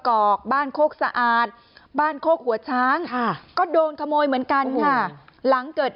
กอกบ้านโคกสะอาดบ้านโคกหัวช้างค่ะก็โดนขโมยเหมือนกันค่ะหลังเกิด